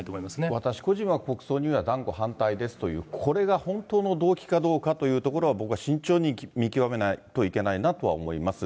私個人は国葬には断固反対ですという、これが本当の動機かどうかというところは、僕は慎重に見極めないといけないなとは思います。